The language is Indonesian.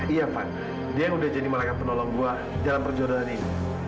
iya van dia yang udah jadi mereka penolong gue dalam perjuangan ini